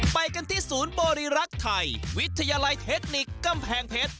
ไปกันที่ศูนย์บริรักษ์ไทยวิทยาลัยเทคนิคกำแพงเพชร